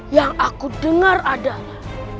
yang aku dengar adalah